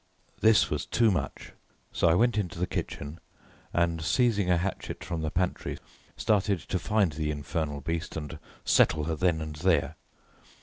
This was too much, so I went into the kitchen, and, seizing a hatchet from the pantry, started to find the infernal beast and settle her then and there.